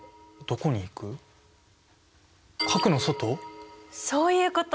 そういうこと！